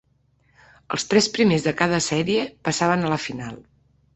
Els tres primers de cada sèrie passaven a la final.